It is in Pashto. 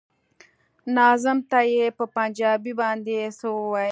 ناظم ته يې په پنجابي باندې څه ويل.